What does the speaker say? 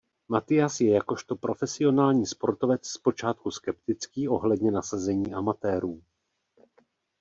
Mathias je jakožto profesionální sportovec zpočátku skeptický ohledně nasazení amatérů.